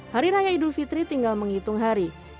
hari raya idul fitri tinggal menghitung hari